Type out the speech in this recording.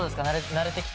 慣れてきた？